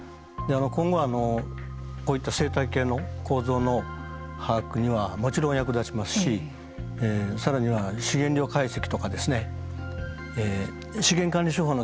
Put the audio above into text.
今後こういった生態系の構造の把握にはもちろん役立ちますし更にはこの環境